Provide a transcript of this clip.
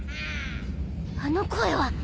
あの声は。